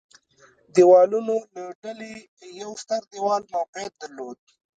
دېوالونو له ډلې یو ستر دېوال موقعیت درلود.